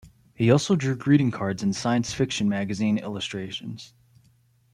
He also drew greeting cards and science fiction magazine illustrations.